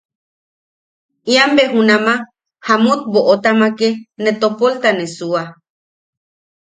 Ien bea junama Jamut Boʼotamake ne topolta ne suua.